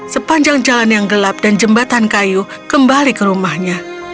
sepanjang jalan yang gelap dan jembatan kayu kembali ke rumahnya